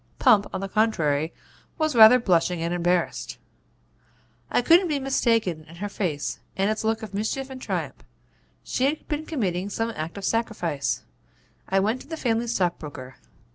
Pump, on the contrary, was rather blushing and embarrassed. 'I couldn't be mistaken in her face and its look of mischief and triumph. She had been committing some act of sacrifice. I went to the family stockbroker.